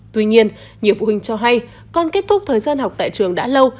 tuy nhiên nhiều phụ huynh cho hay con kết thúc thời gian học tại trường đã lâu